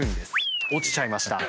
落ちちゃいました。